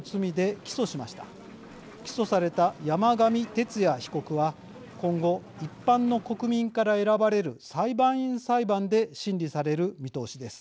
起訴された山上徹也被告は今後、一般の国民から選ばれる裁判員裁判で審理される見通しです。